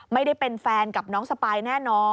ไม่ได้เป็นแฟนกับน้องสปายแน่นอน